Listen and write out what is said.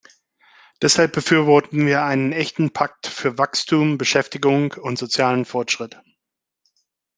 Deshalb befürworten wir einen echten Pakt für Wachstum, Beschäftigung und sozialen Fortschritt.